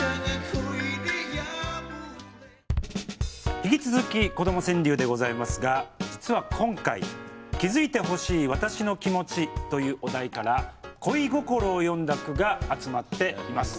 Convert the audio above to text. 引き続き「子ども川柳」でございますが実は今回「気づいてほしい私の気持ち」というお題から恋心を詠んだ句が集まっています。